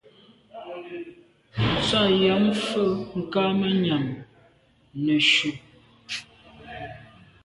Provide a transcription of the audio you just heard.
Nsa yàm mfe kamànyam neshu.